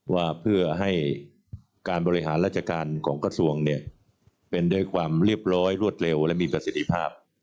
ว่าเพื่อให้การบริหารราชการของกระทรวงเนี่ยเป็นด้วยความเรียบร้อยรวดเร็วและมีประสิทธิภาพ